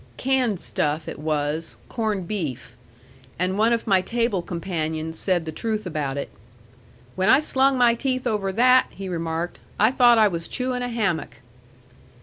Canned stuff it was, corned beef. And one of my table companions said the truth about it. "When I slung my teeth over that," he remarked, "I thought I was chewing a hammock."